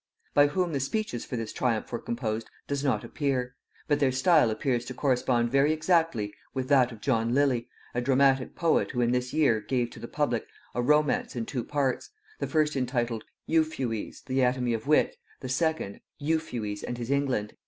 ] By whom the speeches for this triumph were composed does not appear; but their style appears to correspond very exactly with that of John Lilly, a dramatic poet who in this year gave to the public a romance in two parts; the first entitled "Euphues the Anatomy of Wit," the second "Euphues and his England."